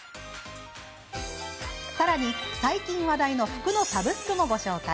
さらに最近、話題の服のサブスクもご紹介。